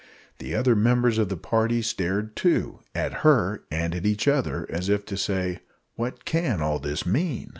The other members of the party stared too at her and at each other as if to say, "What can all this mean?"